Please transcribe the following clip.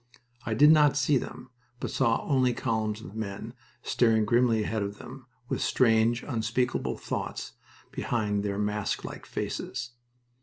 I did not see them, but saw only columns of men, staring grimly ahead of them, with strange, unspeakable thoughts behind their masklike faces.